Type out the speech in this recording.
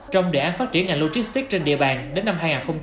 trong đề án phát triển ngành logistic trên địa bàn đến năm hai nghìn hai mươi năm